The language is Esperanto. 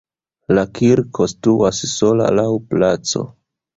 La kirko situas sola laŭ placo.